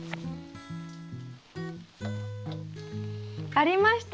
ありました。